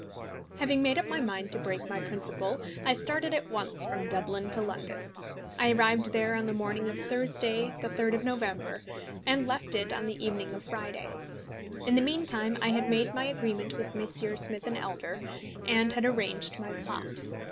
Having made up my mind to break my principle, I started at once from Dublin to London. I arrived there on the morning of Thursday, 3d of November, and left it on the evening of Friday. In the meantime I had made my agreement with Messrs. Smith & Elder, and had arranged my plot.